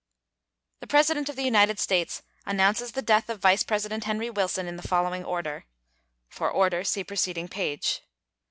The President of the United States announces the death of Vice President Henry Wilson in the following order: [For order see preceding page.